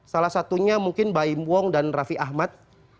salah satunya mungkin mbak im wong dan raffi ahmad